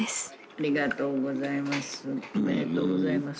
ありがとうございます。